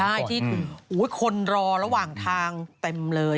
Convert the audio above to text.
ใช่ที่ถูกคนรอระหว่างทางเต็มเลย